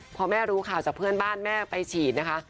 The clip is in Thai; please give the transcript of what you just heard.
พอแม่รู้ข่าวจากเพื่อนบ้านแม่ไปฉีดนะคะ